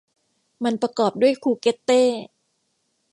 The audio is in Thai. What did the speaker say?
มันประกอบด้วยคูเกตเต้